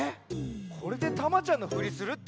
これでタマちゃんのふりするって？